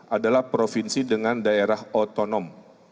adalah provinsi dengan daerah otonom